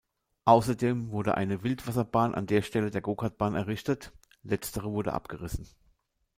Außerdem wurde eine Wildwasserbahn an der Stelle der Go-Kart-Bahn errichtet; letztere wurde abgerissen.